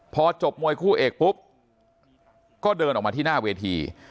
พอจบมวยคู่เอกปุ๊บก็เดินออกมาที่หน้าเวที